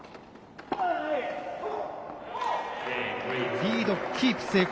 リード、キープ成功。